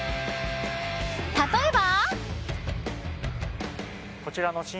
例えば。